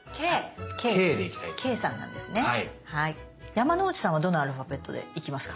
山之内さんはどのアルファベットで行きますか？